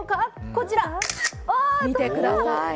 こちら、見てください。